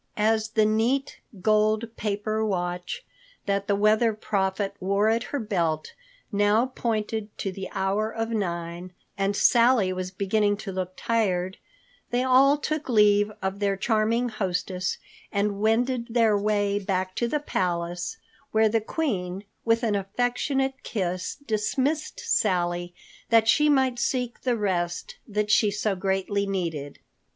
As the neat, gold paper watch that the Weather Prophet wore at her belt now pointed to the hour of nine and Sally was beginning to look tired, they all took leave of their charming hostess and wended their way back to the palace, where the Queen with an affectionate kiss dismissed Sally that she might seek the rest that she so greatly needed.